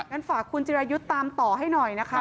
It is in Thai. งั้นฝากคุณจิรายุทธ์ตามต่อให้หน่อยนะคะ